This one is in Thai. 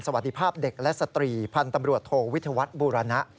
สวัสดีภาพเด็กและสตรีพันธ์ตำรวจโทวิทยาวัฒน์บูรณะ